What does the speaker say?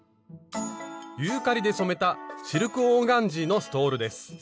ユーカリで染めたシルクオーガンジーのストールです。